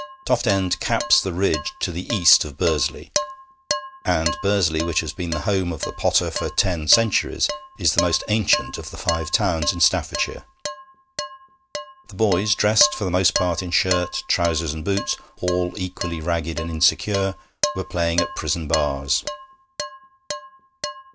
Toft End caps the ridge to the east of Bursley; and Bursley, which has been the home of the potter for ten centuries, is the most ancient of the Five Towns in Staffordshire. The boys, dressed for the most part in shirt, trousers, and boots, all equally ragged and insecure, were playing at prison bars.